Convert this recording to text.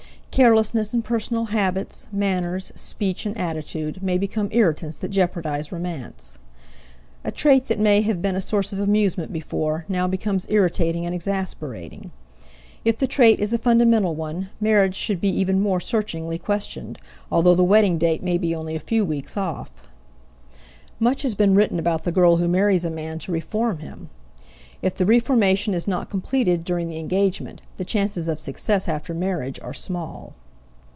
Carelessness in personal habits, manners, speech, and attitude may become irritants that jeopardize romance. A trait that may have been a source of amusement before now becomes irritating and exasperating. If the trait is a fundamental one, marriage should be even more searchingly questioned, although the wedding date may be only a few weeks off. Much has been written about the girl who marries a man to reform him; if the reformation is not completed during the engagement, the chances of success after marriage are small.